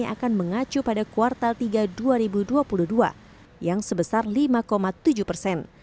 akan mengacu pada kuartal tiga dua ribu dua puluh dua yang sebesar lima tujuh persen